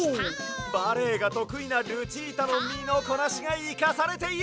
バレエがとくいなルチータのみのこなしがいかされている！